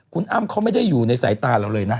คุณอ้ำเขาไม่ได้อยู่ในสายตาเราเลยนะ